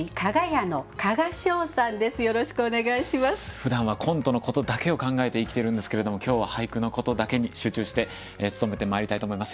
ふだんはコントのことだけを考えて生きているんですけれども今日は俳句のことだけに集中して努めてまいりたいと思います。